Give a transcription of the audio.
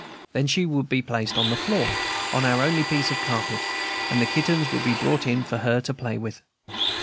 Then she would be placed on the floor, on our only piece of carpet, and the kittens would be brought in for her to play with.